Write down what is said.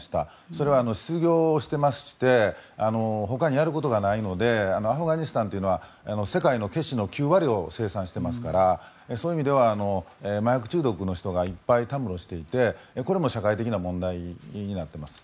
それは、失業してましてほかにやることがないのでアフガニスタンというのは世界のケシの９割を生産していますからそういう意味では麻薬中毒の人がいっぱいたむろしていてこれも社会的な問題になっています。